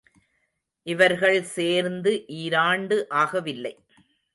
இவர்கள் சேர்ந்து ஈராண்டு ஆகவில்லை.